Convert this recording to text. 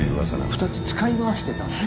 ２つ使い回してたんです